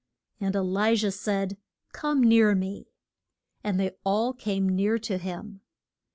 And E li jah said, Come near me. And they all came near to him.